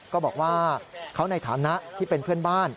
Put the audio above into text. ก็บอกว่าเขาในฐานะที่เป็นเพื่อนบ้าน